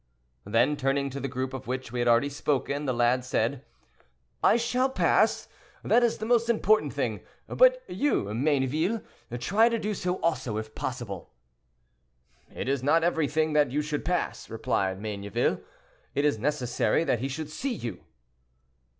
Then, turning to the group of which we have already spoken, the lad said, "I shall pass; that is the most important thing; but you, Mayneville, try to do so also if possible." "It is not everything that you should pass," replied Mayneville; "it is necessary that he should see you."